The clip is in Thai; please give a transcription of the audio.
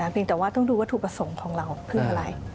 เพียงแต่ว่าต้องดูว่าถูกผสมของเราขึ้นอะไร